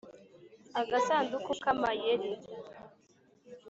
agasanduku k'amayeri